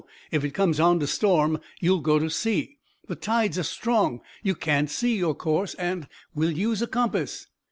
If it comes on to storm, you'll go to sea. The tides are strong; you can't see your course, and " "We'll use a compass.